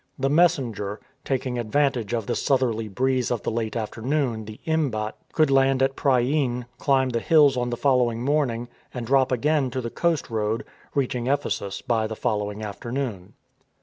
The messenger, taking advantage of the southerly breeze of the late afternoon, the imbat, could land at Priene, climb the hills on the following morning and drop again to the coast road, reaching Ephesus by the following afternoon.